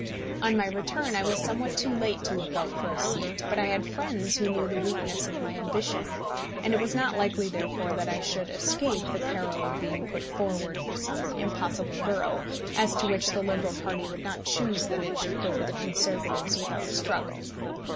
On my return I was somewhat too late to look out for a seat, but I had friends who knew the weakness of my ambition; and it was not likely, therefore, that I should escape the peril of being put forward for some impossible borough as to which the Liberal party would not choose that it should go to the Conservatives without a struggle.